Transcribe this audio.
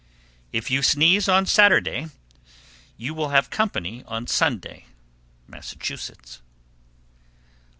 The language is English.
789. If you sneeze on Saturday, you will have company on Sunday. _Massachusetts.